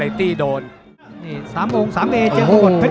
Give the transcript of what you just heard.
อันดับสุดท้าย